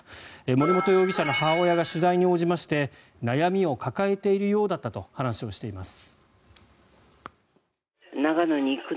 森本容疑者の母親が取材に応じまして悩みを抱えているようだったと話をしています。